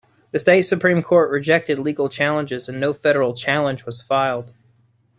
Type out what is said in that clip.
The state Supreme Court rejected legal challenges and no federal challenge was filed.